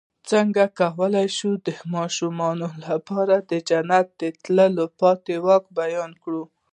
څنګه کولی شم د ماشومانو لپاره د جنت د تل پاتې واک بیان کړم